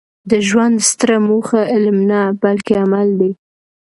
د ژوند ستره موخه علم نه؛ بلکي عمل دئ.